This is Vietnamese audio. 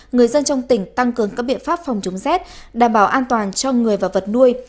người dân trong tỉnh tăng cường các biện pháp phòng chống rét đảm bảo an toàn cho người và vật nuôi